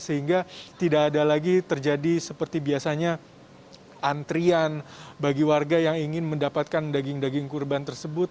sehingga tidak ada lagi terjadi seperti biasanya antrian bagi warga yang ingin mendapatkan daging daging kurban tersebut